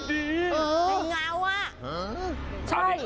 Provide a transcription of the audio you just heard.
ไอ้เงาอ่ะ